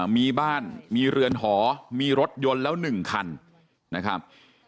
มีบ้านมีเรือนหอมีรถยนต์แล้ว๑คันนะครับ